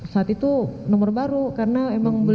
saat itu nomor baru karena emang belum pernah punya